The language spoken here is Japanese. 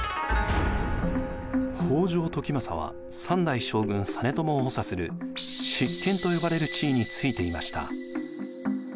北条時政は３代将軍実朝を補佐する執権と呼ばれる地位に就いていました。